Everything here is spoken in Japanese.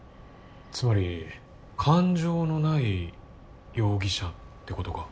つまり感情のない容疑者ってことか。